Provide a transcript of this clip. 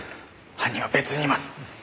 犯人は別にいます。